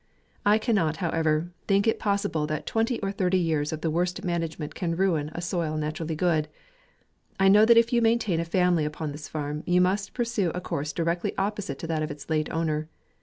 I cannot, however, think it possible that twen ty or thirty years of the worst manage ment can ruin a soil naturally good. I know if you maintain a family upon this farm, you must pursue a course directly opposite to that of its late owner.